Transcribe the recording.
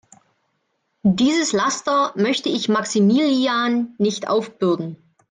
Dieses Laster möchte ich Maximilian nicht aufbürden.